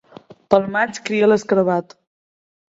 Pel maig cria l'escarabat.